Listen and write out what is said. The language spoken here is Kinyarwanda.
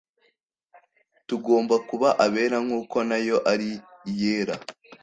tugomba kuba abera nkuko nayo ari Iyera.